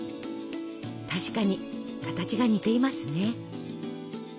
確かに形が似ていますね。